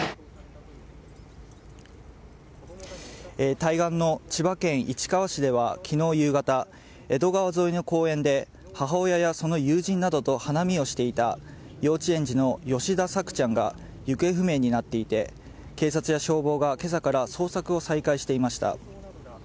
対岸の千葉県市川市では昨日夕方江戸川沿いの公園で母親やその友人などと花見をしていた幼稚園児の吉田朔ちゃんが行方不明になっていて警察や消防が今朝から捜索を再開していました。